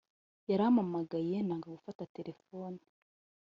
Yaramamagaye nanga gufata telephone